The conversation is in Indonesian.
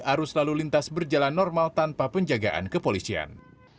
arus lalu lintas berjalan normal tanpa penjagaan kepolisian